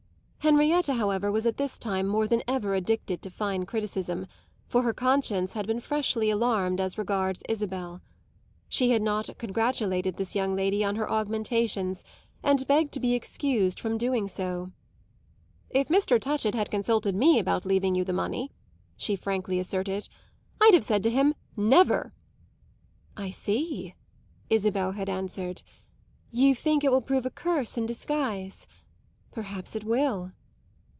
Henrietta, however, was at this time more than ever addicted to fine criticism, for her conscience had been freshly alarmed as regards Isabel. She had not congratulated this young lady on her augmentations and begged to be excused from doing so. "If Mr. Touchett had consulted me about leaving you the money," she frankly asserted, "I'd have said to him 'Never!" "I see," Isabel had answered. "You think it will prove a curse in disguise. Perhaps it will."